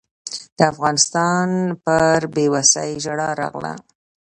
د افغانستان پر بېوسۍ ژړا راغله.